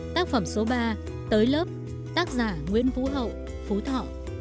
tác phẩm số ba tới lớp tác giả nguyễn vũ hậu phú thọ